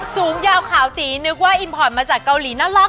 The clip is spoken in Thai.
สูงยาวขาวตีนึกว่าอิมพอร์ตมาจากเกาหลีน่ารัก